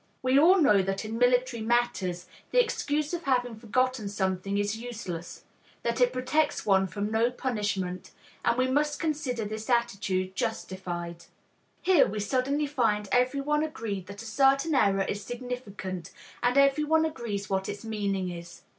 We all know that in military matters the excuse of having forgotten something is useless, that it protects one from no punishment; and we must consider this attitude justified. Here we suddenly find everyone agreed that a certain error is significant, and everyone agrees what its meaning is.